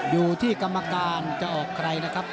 อยู่ที่กรรมการจะออกใครนะครับ